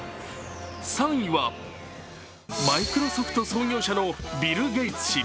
３位は、マイクロソフト創業者のビル・ゲイツ氏。